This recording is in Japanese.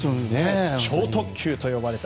超特急と呼ばれた。